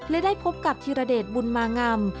และได้พบกับธิรเดชบุญมางำ